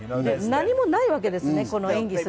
何もないわけです。